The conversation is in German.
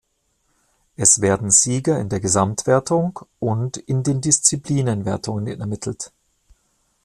Es werden Sieger in der Gesamtwertung und in den Disziplinenwertungen ermittelt.